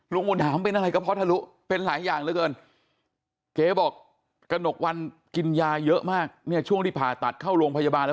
มนต์ถามเป็นอะไรก็เพราะทะลุเป็นหลายอย่างเหลือเกินเจ๊บอกกระหนกวันกินยาเยอะมากเนี่ยช่วงที่ผ่าตัดเข้าโรงพยาบาลแล้ว